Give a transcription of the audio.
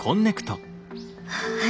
はい。